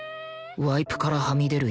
ワイプからはみ出る